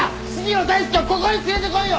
鴫野大輔をここに連れてこいよ！